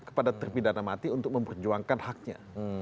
kepada terpidana mati untuk memperjuangkan haknya